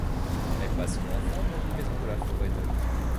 Elle passe son enfance dans une maison de la forêt d’.